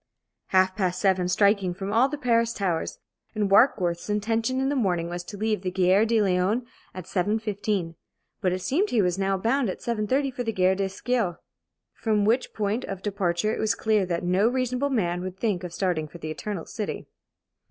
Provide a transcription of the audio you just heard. Half past seven, striking from all the Paris towers! And Warkworth's intention in the morning was to leave the Gare de Lyon at 7.15. But it seemed he was now bound, at 7.30, for the Gare de Sceaux, from which point of departure it was clear that no reasonable man would think of starting for the Eternal City.